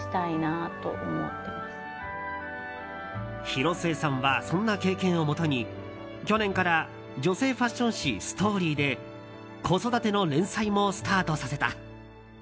広末さんはそんな経験をもとに、去年から女性ファッション誌「ＳＴＯＲＹ」で子育ての連載もスタートさせた。